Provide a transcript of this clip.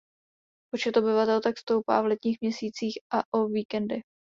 Počet obyvatel tak stoupá v letních měsících a o víkendech.